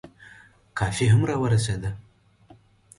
کافي هم را ورسېده.